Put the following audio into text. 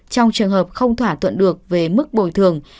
trong trường hợp không thỏa thuận được về mức bồi thường